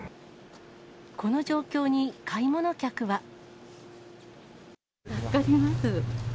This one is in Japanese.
この状況に買い物客は。